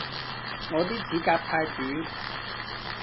我啲指甲太短